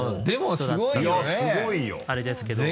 でもすごいよね！